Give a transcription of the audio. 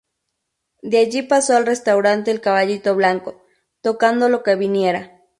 De allí pasó al restaurante El Caballito Blanco, tocando lo que viniera.